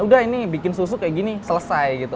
udah ini bikin susu kayak gini selesai gitu